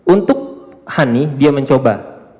untuk hani dia mencoba